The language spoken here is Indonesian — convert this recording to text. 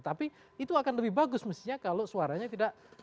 tapi itu akan lebih bagus mestinya kalau suaranya tidak datang dari nasdem